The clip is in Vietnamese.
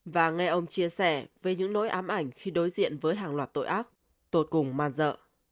và nghe ông chia sẻ về những nỗi ám ảnh khi đối diện với hàng loạt tội ác tôi cùng man dợ